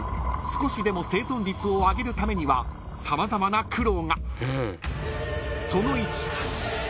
少しでも生存率を上げるためには様々な苦労が］